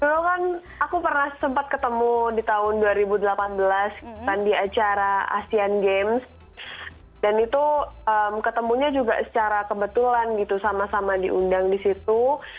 karena dulu kan aku pernah sempat ketemu di tahun dua ribu delapan belas kan di acara asian games dan itu ketemunya juga secara kebetulan gitu sama sama diundang di situ